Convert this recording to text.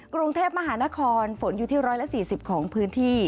กรุงเทพมหานครฝนอยู่ที่๑๔๐ของพื้นที่